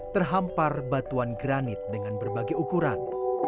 terhampar batuan granit dengan berbagai ukuran